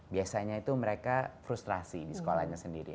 biasanya itu mereka frustrasi di sekolahnya sendiri